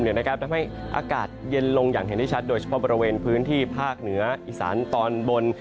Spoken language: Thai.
ทำให้อากาศเย็นลงอย่างเห็นได้ชัดโดยเฉพาะบริเวณพื้นที่ภาคเหนืออีสานตอนบน